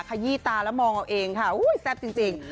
ขยี้ตาแล้วมองเอาเองค่ะแซ่บจริง